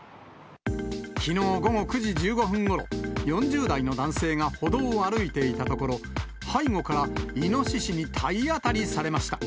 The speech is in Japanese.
きのう午後９時１５分ごろ、４０代の男性が歩道を歩いていたところ、背後から、イノシシに体当たりされました。